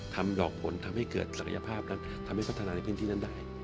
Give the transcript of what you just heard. ทำดอกผลทำให้เกิดศักยภาพนั้นทำให้พัฒนาในพื้นที่นั้นได้